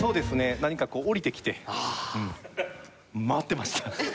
何かこう降りてきて回ってました。